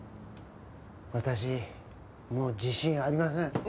私もう自信ありません。